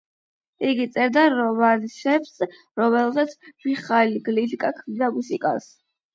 იგი წერდა რომანსებს, რომლებზეც მიხაილ გლინკა ქმნიდა მუსიკას.